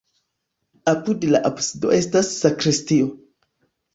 Apud la absido estas sakristio.